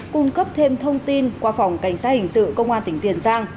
cung cấp thêm thông tin qua phòng cảnh sát hình sự công an tỉnh tiền giang